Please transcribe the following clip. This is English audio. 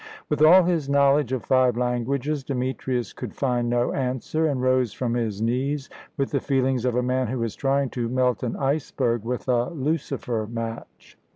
With all his knowledge of five languages, Demetrius could find no answer, and rose from his knees with the feelings of a man who is trying to melt an iceberg with a lucifer match.